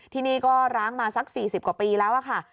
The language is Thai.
ที่นี่ก็ร้างมาสัก๔๐กว่าปีแล้วค่ะ